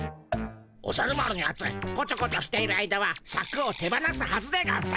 おじゃる丸のやつこちょこちょしている間はシャクを手放すはずでゴンス。